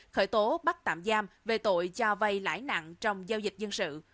khởi tố bắt tạm giam về tội cho vay lãi nặng trong giao dịch dân sự